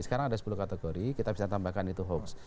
sekarang ada sepuluh kategori kita bisa tambahkan itu hoax